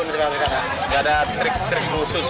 tidak ada trik trik khusus